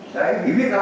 cái ý viết đó